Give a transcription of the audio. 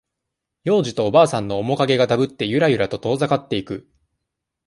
幼児とおばあさんの面影がだぶって、ゆらゆらと遠ざかっていく。